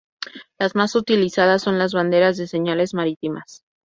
Las más utilizadas son las banderas de señales marítimas.